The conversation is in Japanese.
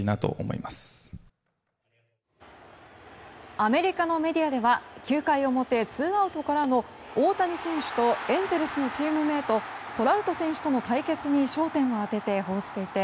アメリカのメディアでは９回表ツーアウトからの大谷選手とエンゼルスのチームメートトラウト選手との対決に焦点を当てて報じていて